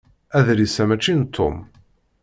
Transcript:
Adlis-a mačči n Tom.